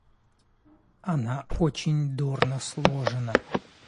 Она очень дурно сложена...